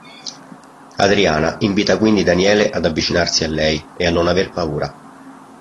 Adriana invita quindi Daniele ad avvicinarsi a lei e a non aver paura.